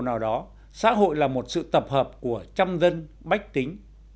xét ở một góc độ nào đó xã hội là một sự tập hợp của trăm dân bách tính